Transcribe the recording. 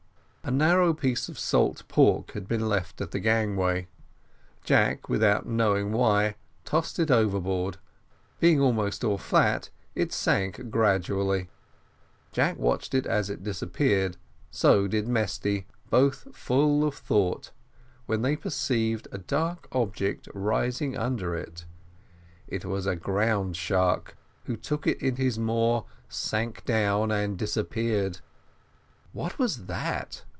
A narrow piece of salt pork had been left at the gangway: Jack, without knowing why, tossed it over board; being almost all fat it sank very gradually: Jack watched it as it disappeared, so did Mesty, both full of thought, when they perceived a dark object rising under it: it was a ground shark, who took it into his maw, sank down, and disappeared. "What was that?"